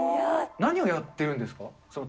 何をやってるんですか？